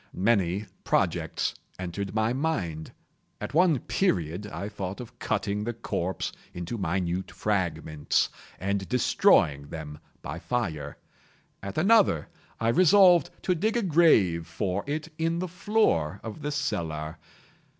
Many projects entered my mind. At one period I thought of cutting the corpse into minute fragments, and destroying them by fire. At another, I resolved to dig a grave for it in the floor of the cellar.